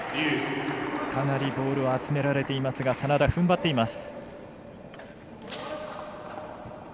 かなりボールを集められていますが眞田、ふんばっています。